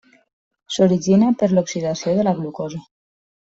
S’origina per l’oxidació de la glucosa.